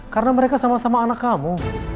karena mereka sama sama anak kamu